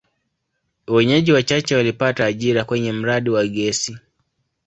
Wenyeji wachache walipata ajira kwenye mradi wa gesi.